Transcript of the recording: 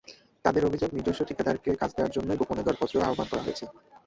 তাঁদের অভিযোগ, নিজস্ব ঠিকাদারকে কাজ দেওয়ার জন্যই গোপনে দরপত্র আহ্বান করা হয়েছে।